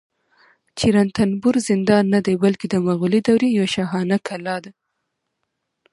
چې رنتنبور زندان نه دی، بلکې د مغولي دورې یوه شاهانه کلا ده